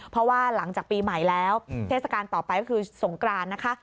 เพราะว่าหลังจากปีใหม่แล้วเทศกาลต่อไปก็คือสงกรานนะคะ